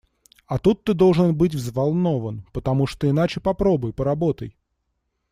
А тут ты должен быть взволнован, потому что иначе попробуй, поработай.